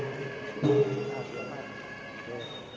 สวัสดีครับทุกคน